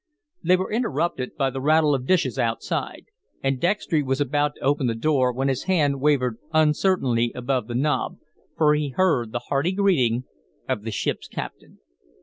They were interrupted by the rattle of dishes outside, and Dextry was about to open the door when his hand wavered uncertainly above the knob, for he heard the hearty greeting of the ship's captain.